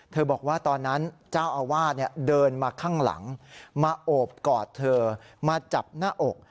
บอกว่าตอนนั้นเจ้าอาวาสเดินมาข้างหลังมาโอบกอดเธอมาจับหน้าอก